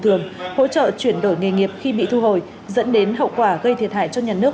thường hỗ trợ chuyển đổi nghề nghiệp khi bị thu hồi dẫn đến hậu quả gây thiệt hại cho nhà nước